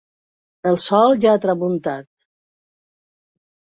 El sol ja ha tramuntat.